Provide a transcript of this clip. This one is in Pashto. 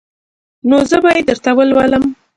نو زه به يې درته ولولم.